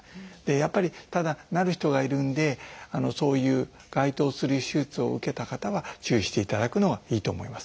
やっぱりただなる人がいるんでそういう該当する手術を受けた方は注意していただくのはいいと思います。